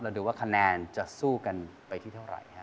แล้วดูว่าคะแนนจะสู้กันไปที่เท่าไหร่ครับ